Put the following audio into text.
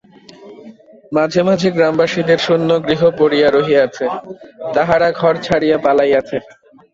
মাঝে মাঝে গ্রামবাসীদের শূন্য গৃহ পড়িয়া রহিয়াছে, তাহারা ঘর ছাড়িয়া পালাইয়াছে।